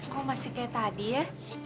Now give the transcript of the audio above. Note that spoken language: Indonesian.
kok masih kayak tadi ya